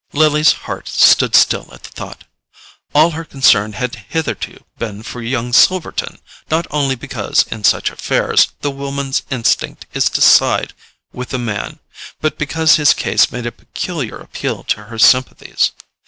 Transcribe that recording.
Lily's heart stood still at the thought. All her concern had hitherto been for young Silverton, not only because, in such affairs, the woman's instinct is to side with the man, but because his case made a peculiar appeal to her sympathies.